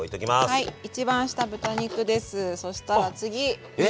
はい。